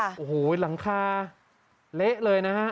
โอ้โหหลังคาเละเลยนะฮะ